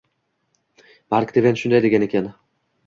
Mark Tven shunday degan ekan: